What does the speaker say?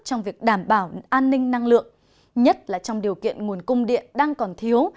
trong việc đảm bảo an ninh năng lượng nhất là trong điều kiện nguồn cung điện đang còn thiếu